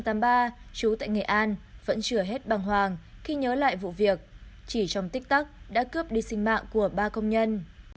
trú tại nghệ an vẫn chưa hết bằng hoàng khi nhớ lại vụ việc chỉ trong tích tắc đã cướp đi sinh mạng của ba công nhân